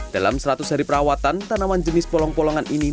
dalam seratus hari perawatan tanaman jenis polong polongan ini